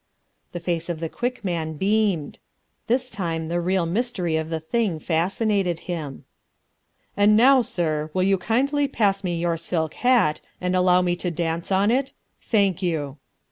The face of the Quick Man beamed. This time the real mystery of the thing fascinated him. "And now, sir, will you kindly pass me your silk hat and allow me to dance on it? Thank you."